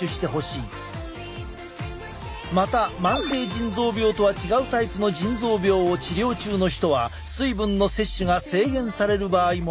また慢性腎臓病とは違うタイプの腎臓病を治療中の人は水分の摂取が制限される場合もある。